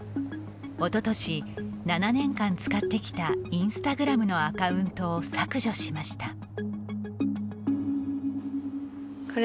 おととし、７年間使ってきたインスタグラムのアカウントを削除しました。